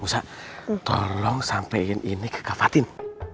musa tolong sampein ini ke kak fatin